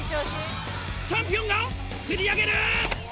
チャンピオンが釣り上げる！